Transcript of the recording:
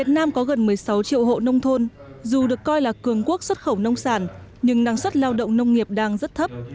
nông thôn dù được coi là cường quốc xuất khẩu nông sản nhưng năng suất lao động nông nghiệp đang rất thấp